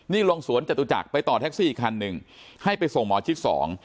นี่ลงสวนจตุจักรไปต่อแท็กซี่อีกคันหนึ่งให้ไปส่งหมอชิดสอง